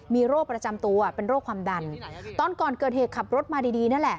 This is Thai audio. มีโรคประจำตัวเป็นโรคความดันตอนก่อนเกิดเหตุขับรถมาดีดีนั่นแหละ